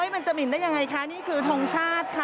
มันจะหิ่นได้ยังไงคะนี่คือทงชาติค่ะ